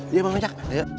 iya bangun cak